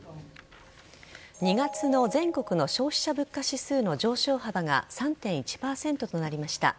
２月の全国の消費者物価指数の上昇幅が３．１％となりました。